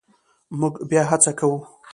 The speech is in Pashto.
مونږ بیا هڅه کوو